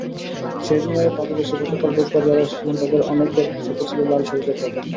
শহীদ মিনারের পাদদেশে গতকাল রোববার যাঁরা এসেছিলেন তাঁদের অনেকের পোশাকে ছিল লাল-সবুজের প্রাধান্য।